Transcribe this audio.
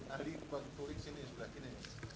ahli katolik sini sebelah kiri